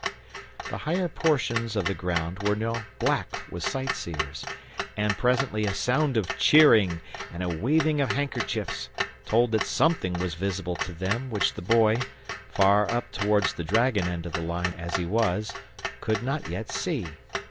The higher portions of the ground were now black with sightseers, and presently a sound of cheering and a waving of handkerchiefs told that something was visible to them which the Boy, far up towards the dragon end of the line as he was, could not yet see.